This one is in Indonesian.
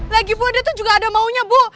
lagipula dia tuh juga ada maunya bu